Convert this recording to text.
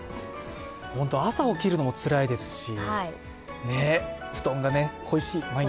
朝起きるのもつらいですし、布団が恋しい、毎日。